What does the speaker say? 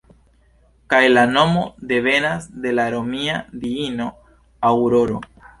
Kaj la nomo devenas de la romia diino Aŭroro.